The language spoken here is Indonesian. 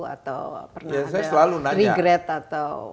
atau pernah ada regret atau